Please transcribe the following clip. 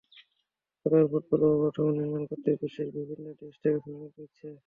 কাতার football অবকাঠামো নির্মাণ করতে বিশ্বের বিভিন্ন দেশ থেকে শ্রমিক নিচ্ছে।